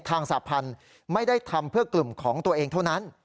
สาพันธุ์ไม่ได้ทำเพื่อกลุ่มของตัวเองเท่านั้น